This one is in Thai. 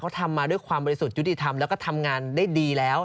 เขาทำมาด้วยความบริสุทธิ์ยุติธรรมแล้วก็ทำงานได้ดีแล้ว